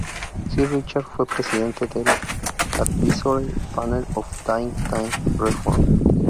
Sir Richard fue presidente del Advisory Panel of Think-Tank Reform.